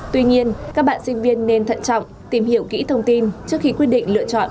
tuy nhiên các bạn sinh viên nên thận trọng tìm hiểu kỹ thông tin trước khi quyết định lựa chọn